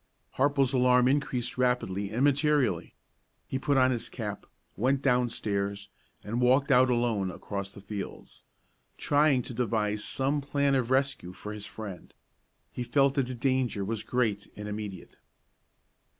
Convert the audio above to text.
Harple's alarm increased rapidly and materially. He put on his cap, went downstairs, and walked out alone across the fields, trying to devise some plan of rescue for his friend. He felt that the danger was great and immediate.